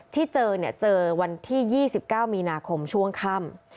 ที่เจอเจอวันที่๒๙มีนาคมช่วงค่ำ